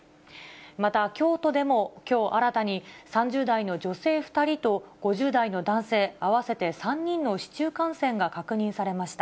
また京都でもきょう新たに、３０代の女性２人と５０代の男性合わせて３人の市中感染が確認されました。